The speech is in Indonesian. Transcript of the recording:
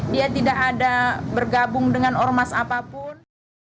dia tidak ada bergabung dengan ormas apapun